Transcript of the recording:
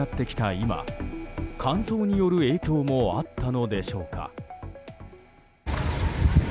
今乾燥による影響もあったのでしょうか。